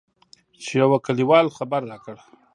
چې يوه کليوال خبر راکړ.